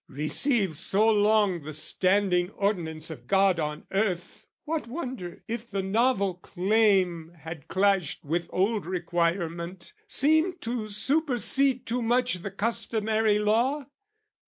receive so long The standing ordinance of God on earth, What wonder if the novel claim had clashed With old requirement, seemed to supersede Too much the customary law?